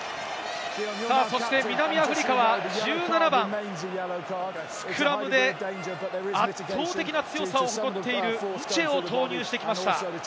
そして南アフリカは１７番、スクラムで圧倒的な強さを誇っているンチェを投入してきました。